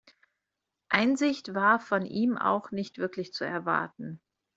Einsicht war von ihm auch nicht wirklich zu erwarten.